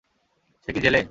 সে কী জেলে?